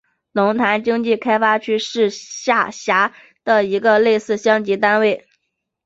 龙潭经济开发区是下辖的一个类似乡级单位。